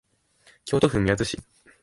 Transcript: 京都府宮津市